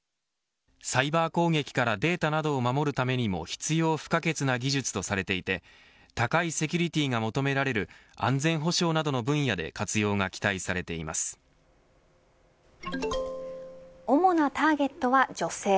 サイバー攻撃からデータなどを守るためにも必要不可欠な技術とされていて高いセキュリティーが求められる安全保障などの分野で主なターゲットは女性。